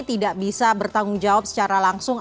tidak bisa bertanggung jawab secara langsung